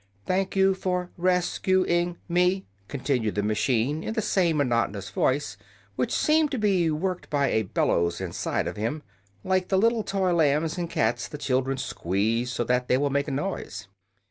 "Thank you for res cu ing me," continued the machine, in the same monotonous voice, which seemed to be worked by a bellows inside of him, like the little toy lambs and cats the children squeeze so that they will make a noise.